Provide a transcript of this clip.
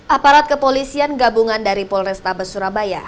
aparat kepolisian gabungan dari polrestabes surabaya